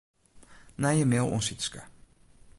Nije mail oan Sytske.